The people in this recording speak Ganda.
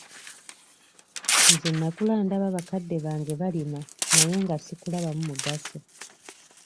Nze nakula ndaba bakadde bange nga balima naye nga sikulabamu mugaso.